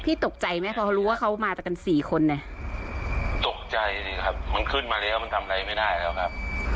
พี่ตกใจไหมพอรู้ว่าเขามาแต่กันสี่คนตกใจครับมันขึ้นมาเดี๋ยวมันทำอะไรไม่ได้แล้วครับ